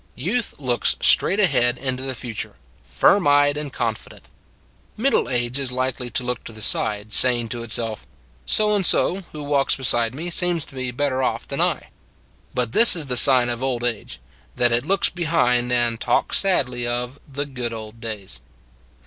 Youth looks straight ahead into the future, firm eyed and confident. Middle age is likely to look to the side, saying to itself: " So and So, who walks beside me, seems to be better off than I." But this is the sign of old age that it looks behind and talks sadly of the " good old days."